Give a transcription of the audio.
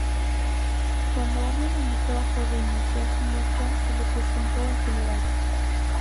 Cuando Obregón estaba por reiniciar su marcha, se le presentó el Gral.